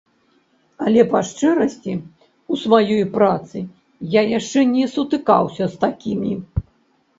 Але, па-шчырасці, у сваёй працы я яшчэ не сутыкаўся з такімі.